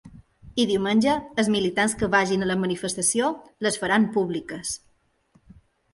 I diumenge els militants que vagin a la manifestació les faran públiques.